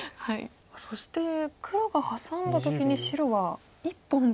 そして黒がハサんだ時に白は１本で。